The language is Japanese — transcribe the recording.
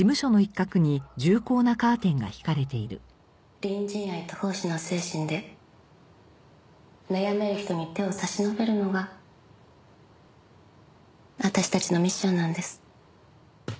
隣人愛と奉仕の精神で悩める人に手を差し伸べるのが私たちのミッションなんです。